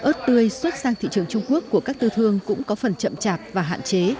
ớt tươi xuất sang thị trường trung quốc của các tư thương cũng có phần chậm chạp và hạn chế